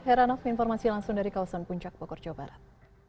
heranov informasi langsung dari kawasan puncak bogor jawa barat